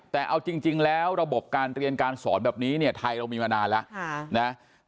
แต่เอาจริงแล้วระบบการเรียนการสอนแบบนี้เนี่ยไทยเรามีมานานแล้วนะ